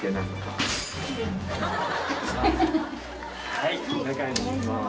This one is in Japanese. はいお願いします。